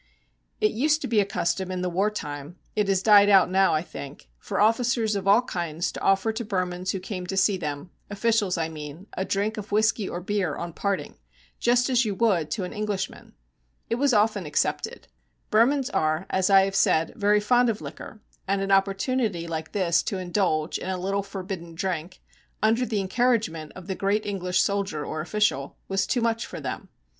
It used to be a custom in the war time it has died out now, I think for officers of all kinds to offer to Burmans who came to see them officials, I mean a drink of whisky or beer on parting, just as you would to an Englishman. It was often accepted. Burmans are, as I have said, very fond of liquor, and an opportunity like this to indulge in a little forbidden drink, under the encouragement of the great English soldier or official, was too much for them.